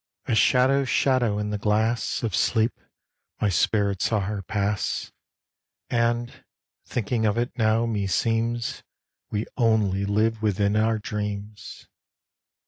A shadow's shadow in the glass Of sleep, my spirit saw her pass: And, thinking of it now, meseems We only live within our dreams.